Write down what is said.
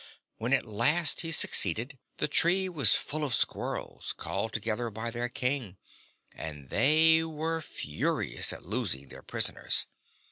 When at last he succeeded, the tree was full of squirrels, called together by their King, and they were furious at losing their prisoners.